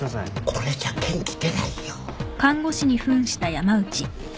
これじゃ元気出ないよ。